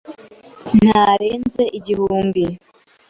Ntarenza igihumbi.